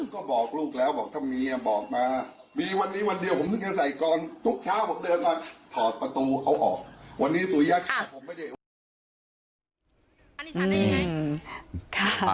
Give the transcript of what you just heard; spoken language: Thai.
ก็บอกลูกแล้วบอกถ้าเมียบอกมามีวันนี้วันเดียวผมเพิ่งจะใส่กรทุกเช้าผมเดินมาถอดประตูเขาออกวันนี้สุริยะฆ่าผมไม่ได้โอนเงิน